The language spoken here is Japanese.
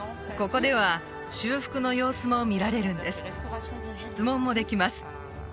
ここでは修復の様子も見られるんです質問もできます